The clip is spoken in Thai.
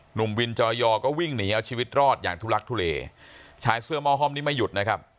หนุ่มวินจอยอก็วิ่งหนีเอาชีวิตรอดอย่างทุลักทุเลชายเสื้อหม้อห้อมนี้ไม่หยุดนะครับ